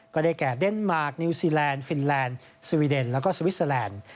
ก็ได้แก่เดนมาร์คนิวซีแลนด์ฟินแลนด์สวีเดนแล้วก็สวิสเตอร์แลนด์